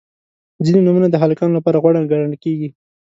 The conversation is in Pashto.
• ځینې نومونه د هلکانو لپاره غوره ګڼل کیږي.